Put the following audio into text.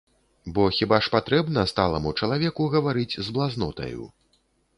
Бо хіба ж патрэбна сталаму чалавеку гаварыць з блазнотаю?!